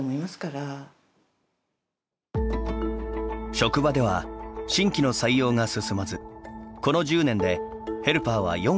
職場では新規の採用が進まずこの１０年でヘルパーは４割減少。